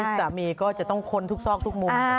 ต่อไปนี้สามีก็จะต้องคนทุกซอกทุกมุม